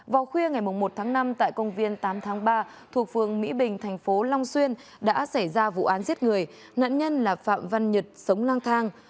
vào khuya ngày một tháng năm tại công viên tám tháng ba thuộc phường mỹ bình thành phố long xuyên đã xảy ra vụ án giết người nạn nhân là phạm văn nhật sống lang thang